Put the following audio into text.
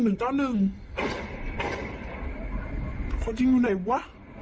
หนึ่งเก้าหนึ่งคนจริงอยู่ไหนวะ